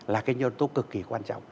là cái nhân tố cực kỳ quan trọng